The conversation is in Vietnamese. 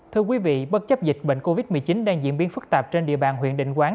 thưa quý vị bất chấp dịch bệnh covid một mươi chín đang diễn biến phức tạp trên địa bàn huyện định quán